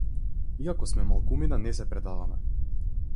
Иако сме малкумина не се предаваме.